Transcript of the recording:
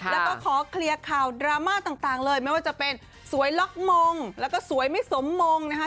แล้วก็ขอเคลียร์ข่าวดราม่าต่างเลยไม่ว่าจะเป็นสวยล็อกมงแล้วก็สวยไม่สมมงนะคะ